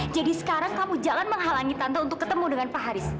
jadi sekarang kamu jangan menghalangi tante untuk ketemu dengan pak haris